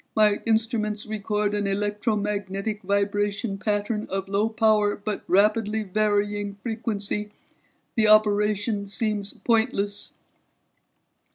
My instruments record an electromagnetic vibration pattern of low power but rapidly varying frequency. The operation seems pointless."